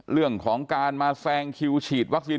เรื่องของการมาแซงคิวฉีดวัคซีน